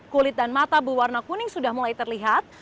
kulit dan mata berwarna kuning sudah mulai terlihat